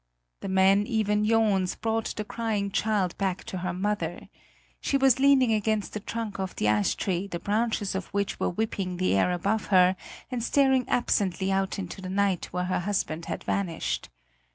The man Iven Johns brought the crying child back to her mother. She was leaning against the trunk of the ash tree the branches of which were whipping the air above her, and staring absently out into the night where her husband had vanished.